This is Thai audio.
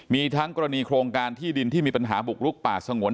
มีทั้งกรณีโครงการที่ดินที่มีปัญหาบุกลุกป่าสงวน